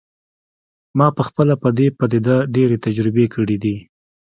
ما پخپله په دې پدیده ډیرې تجربې کړي دي